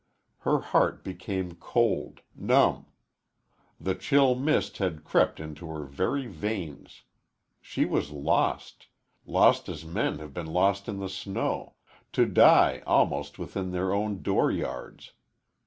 Her heart became cold numb. The chill mist had crept into her very veins. She was lost lost as men have been lost in the snow to die almost within their own door yards.